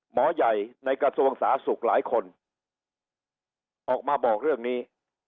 หมอใหญ่ในกระทรวงสาธารณสุขหลายคนออกมาบอกเรื่องนี้